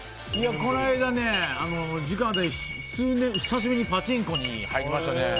この間、時間あったんで久しぶりにパチンコに入りました。